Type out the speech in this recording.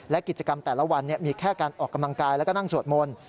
และกิจกรรมแต่ละวันมีแค่การออกกำลังกายแล้วก็นั่งสวดมนต์